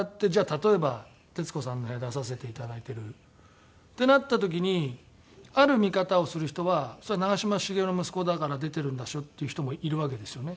例えば「徹子さんの部屋」出させていただいてるってなった時にある見方をする人は「それは長嶋茂雄の息子だから出てるんでしょ」って言う人もいるわけですよね。